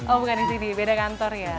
oh bukan di sini beda kantor ya